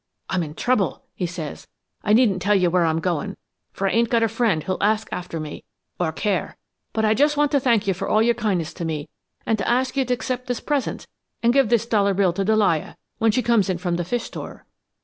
I'm in trouble!' he says. 'I needn't tell you where I'm goin' for I ain't got a friend who'll ask after me or care, but I just want to thank you for all your kindness to me, an' to ask you to accept this present, and give this dollar bill to Delia, when she comes in from the fish store.'